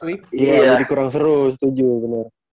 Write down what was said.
iya jadi kurang seru setuju benar